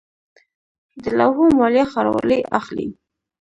د لوحو مالیه ښاروالۍ اخلي